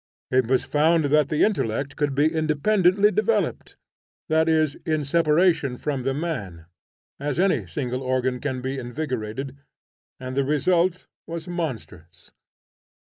It was found that the intellect could be independently developed, that is, in separation from the man, as any single organ can be invigorated, and the result was monstrous.